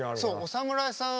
お侍さん